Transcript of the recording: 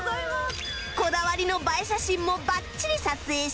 こだわりの映え写真もばっちり撮影し